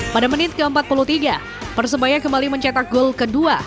pada menit ke empat puluh tiga persebaya kembali mencetak gol kedua